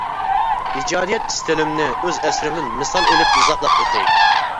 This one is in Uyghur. ئىجادىيەت ئىستىلىمنى ئۆز ئەسىرىمدىن مىسال ئېلىپ ئىزاھلاپ ئۆتەي.